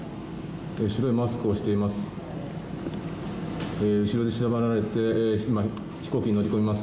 白いマスクをしています。